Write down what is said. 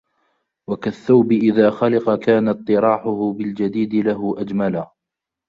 وَكَالثَّوْبِ إذَا خَلِقَ كَانَ اطِّرَاحُهُ بِالْجَدِيدِ لَهُ أَجْمَلَ